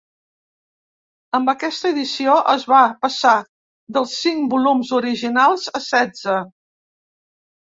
Amb aquesta edició es va passar dels cinc volums originals a setze.